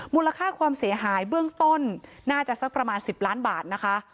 มูลค่าความเสียหายเบื้องต้นน่าจะสักประมาณ๑๐ล้านบาทนะคะ